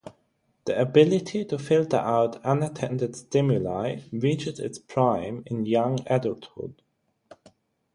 The ability to filter out unattended stimuli reaches its prime in young adulthood.